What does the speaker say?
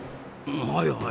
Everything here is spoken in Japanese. はいはい。